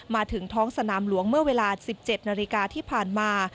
มาถึงท้องสนามหลวงเมื่อเวลา๑๗นาฬิกาที่ผ่านมา